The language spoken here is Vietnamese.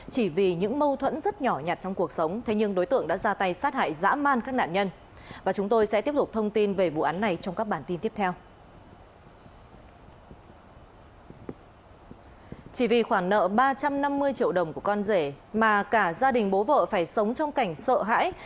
chỉ vì khoản nợ ba trăm năm mươi triệu đồng của con rể mà cả gia đình bố vợ phải sống trong cảnh sợ hãi